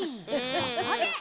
そこで！